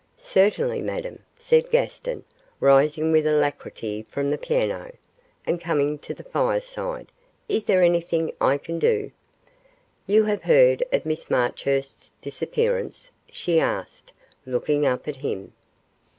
'Certainly, Madame,' said Gaston, rising with alacrity from the piano, and coming to the fireside; 'is there anything I can do?' 'You have heard of Miss Marchurst's disappearance?' she asked, looking up at him.